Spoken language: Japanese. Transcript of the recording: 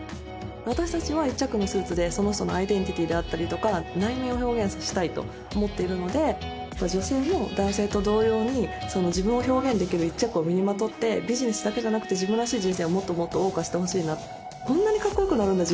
私達は一着のスーツでその人のアイデンティティーであったりとか内面を表現させたいと思っているので女性も男性と同様にその自分を表現できる一着を身にまとってビジネスだけじゃなくて自分らしい人生をもっともっとおう歌してほしいなこんなにかっこよくなるんだ